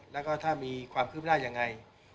และถ้ามีความคืบหน้าอย่างไร